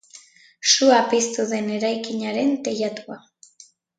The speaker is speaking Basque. Sua piztu den eraikinaren teilatua.